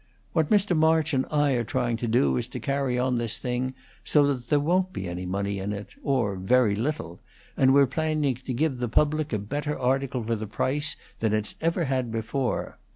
"What Mr. March and I are trying to do is to carry on this thing so that there won't be any money in it or very little; and we're planning to give the public a better article for the price than it's ever had before.